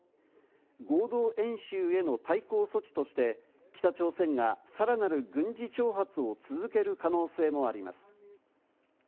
合同演習への対抗措置として、北朝鮮がさらなる軍事挑発を続ける可能性もあります。